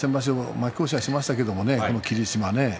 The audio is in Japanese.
負け越しはしましたけど霧島ね